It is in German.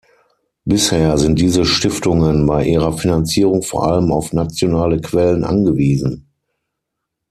Bisher sind diese Stiftungen bei ihrer Finanzierung vor allem auf nationale Quellen angewiesen.